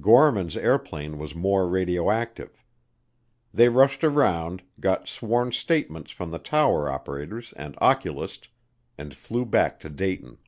Gorman's airplane was more radioactive. They rushed around, got sworn statements from the tower operators and oculist, and flew back to Dayton.